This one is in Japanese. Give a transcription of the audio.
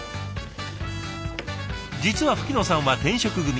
実は吹野さんは転職組。